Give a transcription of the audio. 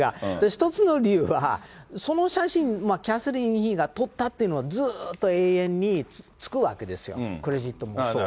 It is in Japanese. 一つの理由は、その写真、キャサリン妃が撮ったっていうのは、ずっと永遠につくわけですよ、クレジットとして。